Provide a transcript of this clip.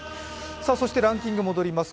そしてランキングに戻ります。